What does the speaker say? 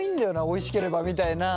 おいしければみたいなところは。